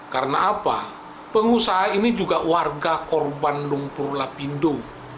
karena apa pengusaha ini juga warga korban lumpur lapindo